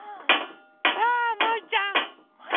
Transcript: さあもいちゃんもい？